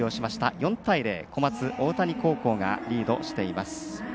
４対０、小松大谷高校がリードしています。